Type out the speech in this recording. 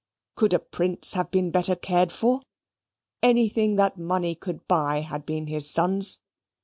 Could a prince have been better cared for? Anything that money could buy had been his son's.